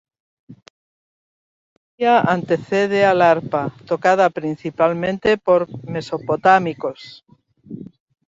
Esta tecnología antecede al arpa, tocada principalmente por mesopotámicos.